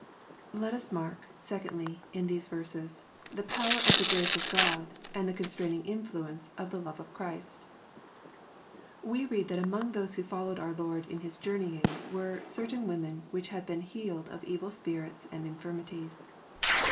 Let us mark, secondly, in these verses, the power of the grace of God, and the constraining infltience of the love of Christ. We read that among those who followed our Lord in his journeyings, were "certain women which had been healed of evil spirits and infirmities."